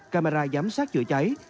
camera giám sát chữa cháy